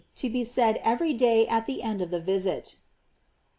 TO BE SAID EVERY DAY AT THE END OF THE VISIT.